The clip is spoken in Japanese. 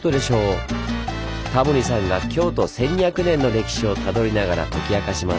タモリさんが京都１２００年の歴史をたどりながら解き明かします。